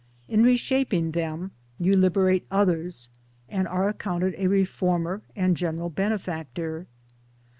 In reshaping them you liberate others, and are accounted a reformer and general benefactor.